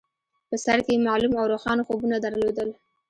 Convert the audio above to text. په سر کې يې معلوم او روښانه خوبونه درلودل.